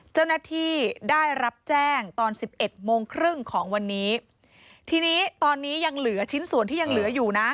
เจ้าหน้าที่ได้รับแจ้งตอนสิบเอ็ดโมงครึ่งของวันนี้ทีนี้ตอนนี้ยังเหลือชิ้นส่วนที่ยังเหลืออยู่นะ